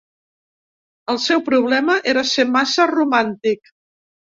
El seu problema era ser massa romàntic.